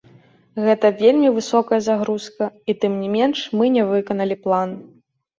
Гэта вельмі высокая загрузка, і тым не менш мы не выканалі план.